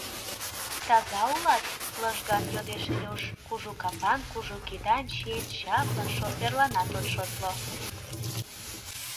— Таза улат? — лыжган йодеш Илюш, кужу капан, кужу кидан, чиен чаплын, шоферланат от шотло.